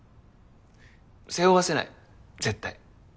背負わせない絶対。